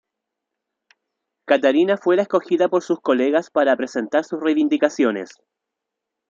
Catarina fue la escogida por sus colegas para presentar sus reivindicaciones.